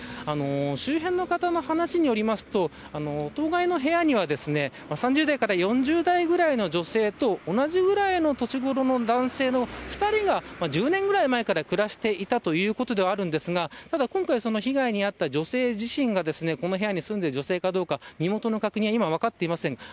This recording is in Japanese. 周辺の方の話によりますと当該の部屋には、３０代から４０代ぐらいの女性と同じぐらいの年頃の男性の２人が１０年ぐらい前から暮らしていたということですがただ今回、被害に遭った女性自身がこの部屋に住んでいる女性なのか身元の確認は分かっていません。